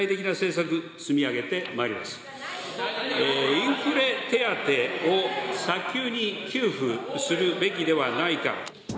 インフレ手当を早急に給付するべきではないか。